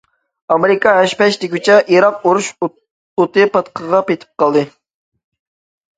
ئامېرىكا ھەش- پەش دېگۈچە، ئىراق ئۇرۇش ئوتى پاتقىقىغا پېتىپ قالدى.